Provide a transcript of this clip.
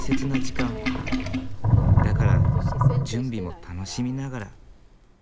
だから準備も楽しみながら。